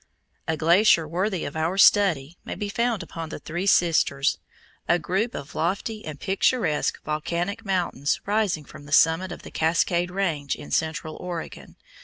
A glacier worthy of our study may be found upon the Three Sisters, a group of lofty and picturesque volcanic mountains rising from the summit of the Cascade Range in central Oregon.